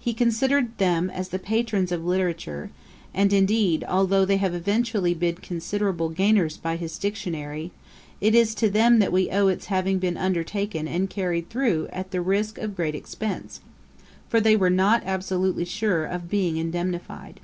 He considered them as the patrons of literature; and, indeed, although they have eventually been considerable gainers by his Dictionary, it is to them that we owe its having been undertaken and carried through at the risk of great expence, for they were not absolutely sure of being indemnified.